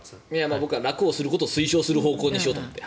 僕は楽をすることを推奨する方向にしようと思って。